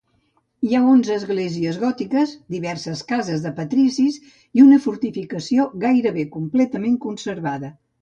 Hi ha onze esglésies gòtiques, diverses cases de patricis i una fortificació gairebé completament conservada.